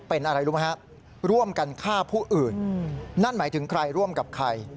เป็นอะไรรู้ไหมฮะร่วมกันฆ่าผู้อื่นนั่นหมายถึงใครร่วมกับใคร